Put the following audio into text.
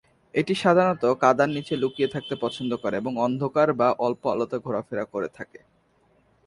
এটি সাধারণত কাদার নিচে লুকিয়ে থাকতে পছন্দ করে এবং অন্ধকার বা অল্প আলোতে ঘোরাফেরা করে থাকে।